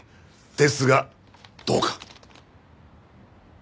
ですがどうか。